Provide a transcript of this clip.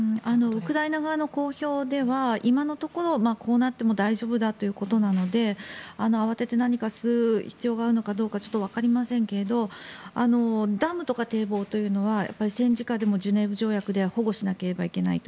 ウクライナ側の公表では今のところこうなっても大丈夫だということなので慌てて何かをする必要があるのかどうかちょっとわかりませんけどもダムとか堤防というのは戦時下でもジュネーブ条約で保護しなければいけないと。